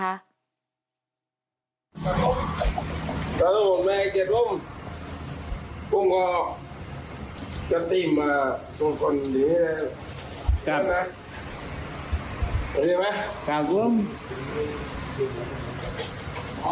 กล้าลูกมองแม่เกียร์กุ้มกุ้มก็จะติ่มอ่าส่วนส่วนเนี้ยจำน่ะ